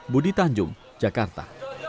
budi tanjung jakarta